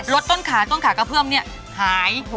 ต้นขาต้นขากระเพื่อมเนี่ยหาย